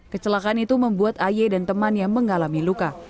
kecelakaan itu membuat aye dan temannya mengalami luka